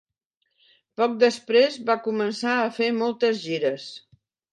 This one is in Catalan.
Poc després, va començar a fer moltes gires.